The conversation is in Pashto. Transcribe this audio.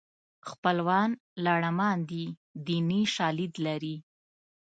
خپلوان لړمان دي دیني شالید لري